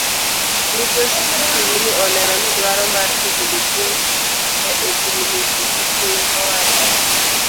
Migosi Fikirini olero ni duaro mar keto jopuonj e ogirimiti gi piny owacho.